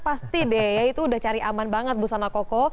pasti deh itu udah cari aman banget busana koko